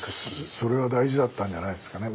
それは大事だったんじゃないですかね。